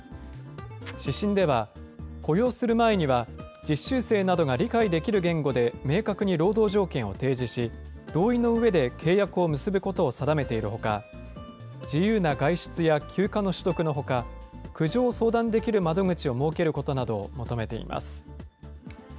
指針では、雇用する前には実習生などが理解できる言語で明確に労働条件を提示し、同意のうえで契約を結ぶことを定めているほか、自由な外出や休暇の取得のほか、苦情を相談できる窓口を設けることなどを求めています。